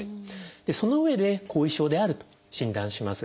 そのうえで後遺症であると診断します。